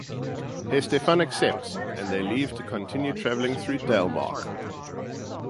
Hestefan accepts, and they leave to continue travelling through Dalemark.